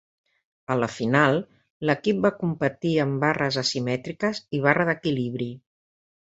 A la final, l'equip va competir en barres asimètriques i barra d'equilibri.